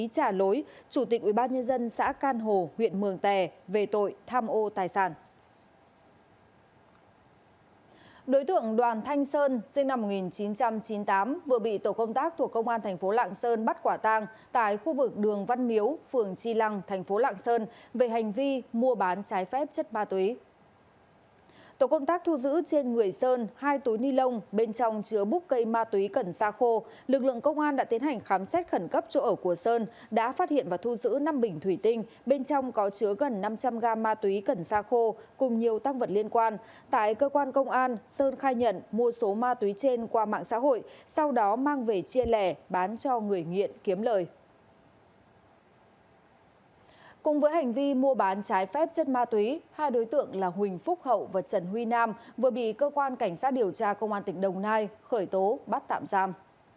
cùng với hành vi mua bán trái phép chất ma túy hai đối tượng là huỳnh phúc hậu và trần huy nam vừa bị cơ quan cảnh sát điều tra công an tỉnh đồng nai khởi tố bắt tạm giam